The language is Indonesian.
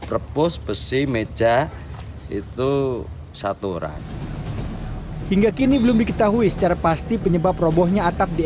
rebus besi meja itu satu orang hingga kini belum diketahui secara pasti penyebab robohnya atap di